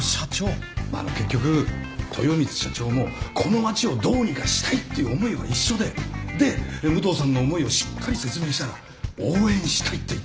まあ結局豊光社長もこの町をどうにかしたいっていう思いは一緒でで武藤さんの思いをしっかり説明したら応援したいって言ってくれて。